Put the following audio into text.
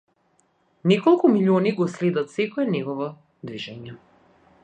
Неколку милиони го следат секое негово движење.